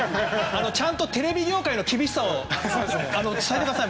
ちゃんとテレビ業界の厳しさを伝えてください。